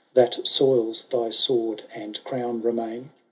That soils thy sword and crown, remain.